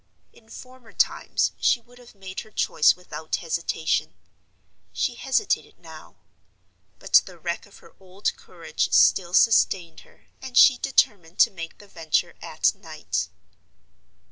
In former times she would have made her choice without hesitation. She hesitated now; but the wreck of her old courage still sustained her, and she determined to make the venture at night.